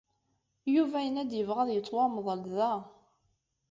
Yuba yenna-d yebɣa ad yettwamḍel da.